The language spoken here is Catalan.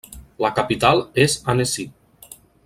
La capital és Annecy.